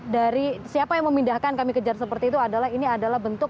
dari siapa yang memindahkan kami kejar seperti itu adalah ini adalah bentuk